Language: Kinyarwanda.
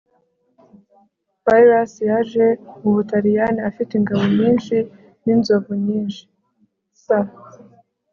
Pyrhus yaje mu Butaliyani afite ingabo nyinshi ninzovu nyinshi s